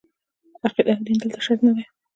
عقیده او دین دلته شرط نه دي.